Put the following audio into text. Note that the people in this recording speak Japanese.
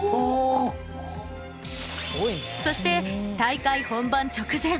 そして、大会本番直前。